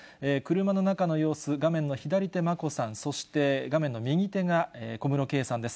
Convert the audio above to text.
車の中の様子、画面の左手、眞子さん、そして、画面の右手が小室圭さんです。